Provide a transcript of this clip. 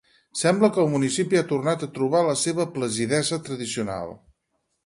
Sembla que el municipi ha tornat a trobar la seva placidesa tradicional.